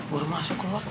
baru masuk keluar